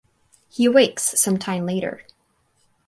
He awakes some time later.